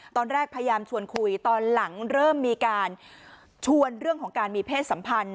พยายามชวนคุยตอนหลังเริ่มมีการชวนเรื่องของการมีเพศสัมพันธ์